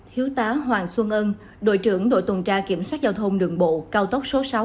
thiếu tá hoàng xuân ân đội trưởng đội tuần tra kiểm soát giao thông đường bộ cao tốc số sáu